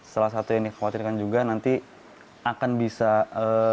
salah satu ini khawatirkan juga nanti akan bisa menularkan orang orang di rumah dari